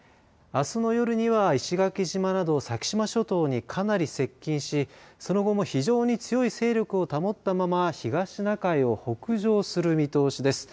あすの夜には石垣島など先島諸島にかなり接近しその後も非常に強い勢力を保ったまま東シナ海を北上する見通しです。